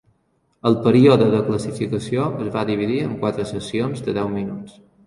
El període de classificació es va dividir en quatre sessions de deu minuts.